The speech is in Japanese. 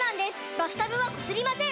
バスタブはこすりません！